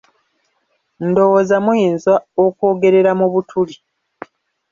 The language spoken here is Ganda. Ndowooza muyinza okwogerera mu butuli.